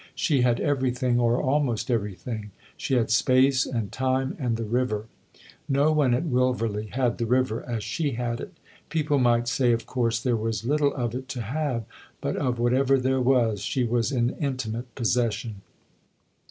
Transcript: She had everything, or almost everything she had space and time and the river. No one at Wilverley had the river as she had it ; people might say of course there was little of it to have, but of whatever there was she was in intimate 104 THE OTHER HOUSE possession.